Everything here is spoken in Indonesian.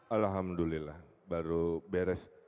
alhamdulillah baru beres terang